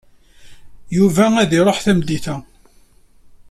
Yuba ad iṛuḥ tameddit-a.